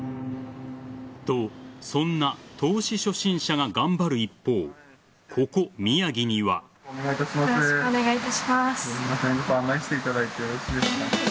と、そんな投資初心者が頑張る一方よろしくお願いいたします。